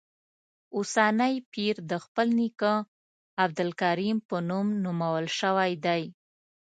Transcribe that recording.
اوسنی پیر د خپل نیکه عبدالکریم په نوم نومول شوی دی.